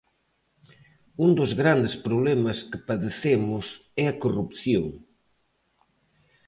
Un dos grandes problemas que padecemos é a corrupción.